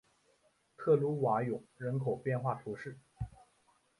特鲁瓦永人口变化图示